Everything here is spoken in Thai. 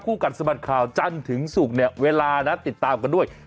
คู่กันสมัครข่าวจันทร์ถึงสุกเนี่ยเวลานะติดตามกันด้วย